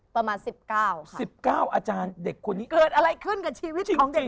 ประมาณ๑๙๑๙อาจารย์เด็กคนนี้เกิดอะไรขึ้นกับชีวิตของเด็ก